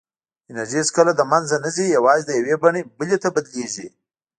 انرژي هېڅکله له منځه نه ځي، یوازې له یوې بڼې بلې ته بدلېږي.